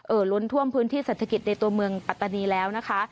ล้นท่วมพื้นที่เศรษฐกิจในตัวเมืองปัตตานีแล้วนะคะ